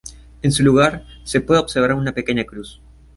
En su lugar, se puede observar una pequeña cruz.